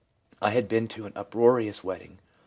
I had been to an uproarious wedding.